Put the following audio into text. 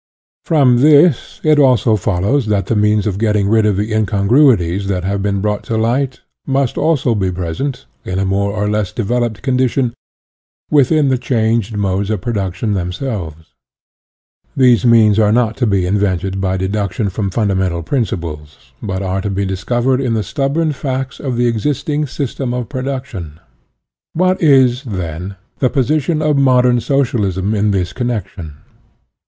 From this it also follows that the means of getting rid of the incongruities that have been brought to light, must also be present, in a more or less developed condition, within the changed modes of production them selves. These means are not to be invented by deduction from fundamental principles, but are to be discovered in the stubborn facts of the existing system of production. What is, then, the position of modern Socialism in this connection?